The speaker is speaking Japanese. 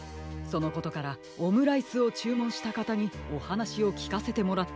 そのことからオムライスをちゅうもんしたかたにおはなしをきかせてもらっているのです。